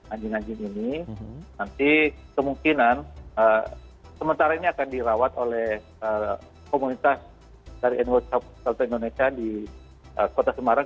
anjing anjing ini nanti kemungkinan sementara ini akan dirawat oleh komunitas dari nurta indonesia di kota semarang